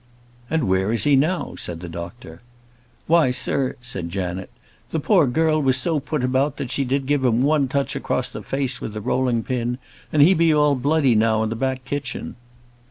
"And where is he now?" said the doctor. "Why, sir," said Janet, "the poor girl was so put about that she did give him one touch across the face with the rolling pin, and he be all bloody now, in the back kitchen."